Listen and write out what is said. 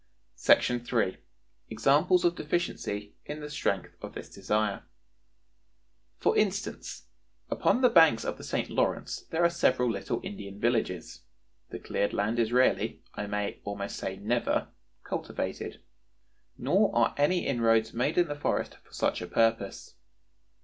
§ 3. Examples of Deficiency in the Strength of this Desire. For instance: "Upon the banks of the St. Lawrence there are several little Indian villages. The cleared land is rarely, I may almost say never, cultivated, nor are any inroads made in the forest for such a purpose.